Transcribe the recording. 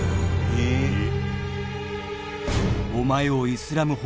「えっ？」